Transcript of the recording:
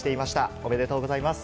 おめでとうございます。